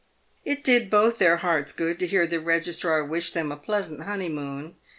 It did both their hearts good to hear the Registrar wish them a pleasant honeymoon.